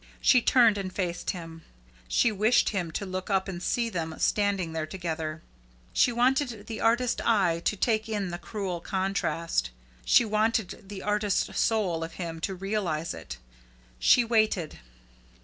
She turned and faced him. She wished him to look up and see them standing there together. She wanted the artist eyes to take in the cruel contrast. She wanted the artist soul of him to realise it. She waited.